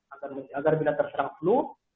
agar bila terserang flu